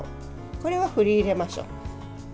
これは振り入れましょう。